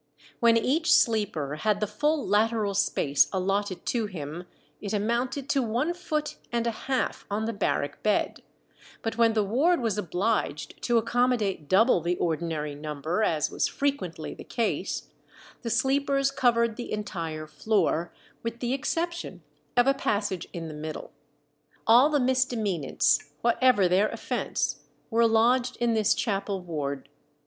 When each sleeper had the full lateral space allotted to him, it amounted to one foot and a half on the barrack bed; but when the ward was obliged to accommodate double the ordinary number, as was frequently the case, the sleepers covered the entire floor, with the exception of a passage in the middle. All the misdemeanants, whatever their offence, were lodged in this chapel ward.